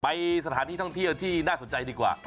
สถานที่ท่องเที่ยวที่น่าสนใจดีกว่า